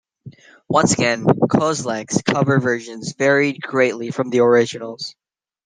Once again, Kozelek's cover versions varied greatly from the originals.